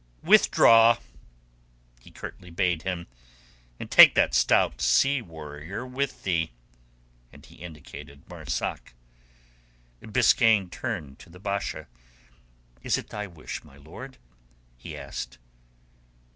"Withdraw," he curtly bade him, "and take that stout sea warrior with thee." And he indicated Marzak. Biskaine turned to the Basha. "Is it thy wish, my lord?" he asked.